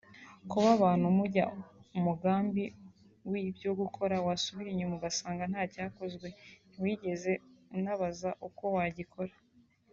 Kuba abantu mujya umugambi w’ibyo gukora wasubira inyuma ugasanga ntacyakozwe ntiwigeze unabaza uko wagikora